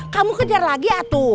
kamu kejar lagi atu